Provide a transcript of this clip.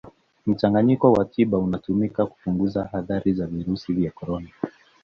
Mchanganyiko wa tiba unatumika kupunguza athari za virusi vya Corona